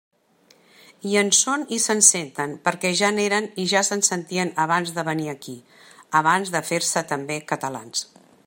I en són i se'n senten, perquè ja n'eren i ja se'n sentien abans de venir aquí, abans de fer-se també catalans.